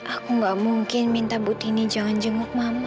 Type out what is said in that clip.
aku gak mungkin minta bu tini jangan jenguk mama